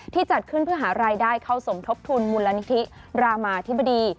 จัดขึ้นเพื่อหารายได้เข้าสมทบทุนมูลนิธิรามาธิบดี